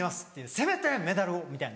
せめてメダルを」みたいな。